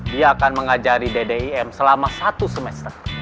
dia akan mengajari ddim selama satu semester